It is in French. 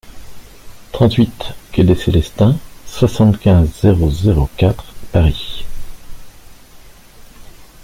trente-huit quai des Célestins, soixante-quinze, zéro zéro quatre, Paris